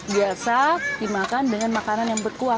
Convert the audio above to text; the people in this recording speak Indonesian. biasa dimakan dengan makanan yang berkuah